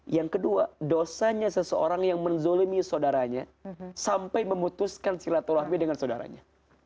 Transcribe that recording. yang kedua dosanya seseorang yang menzolimi saudaranya sampai memutuskan silaturahmi dengan saudaranya